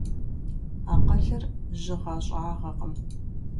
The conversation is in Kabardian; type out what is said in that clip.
Акъылыр жьыгъэ-щӀагъэкъым.